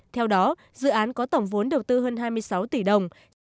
theo đó dự án có tổng vốn đầu tư hơn hai mươi sáu tỷ đồng